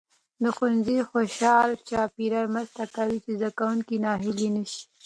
د ښوونځي خوشال چاپیریال مرسته کوي چې زده کوونکي ناهیلي نسي.